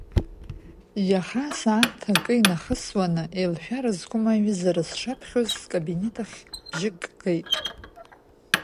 Иаха асааҭ акы инахысуаны Еилшәара зқәым аиҩызара сшаԥхьоз скабинет ахь бжьык геит.